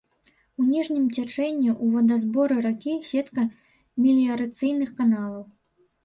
У ніжнім цячэнні ў вадазборы ракі сетка меліярацыйных каналаў.